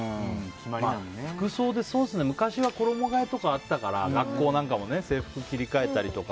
服装で昔は衣替えとかあったから学校とかも制服切り替えたりとか。